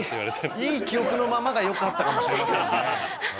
いい記憶のままがよかったかもしれませんね。